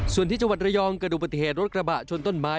ส่วนที่จังหวัดระยองเกิดดูปฏิเหตุรถกระบะชนต้นไม้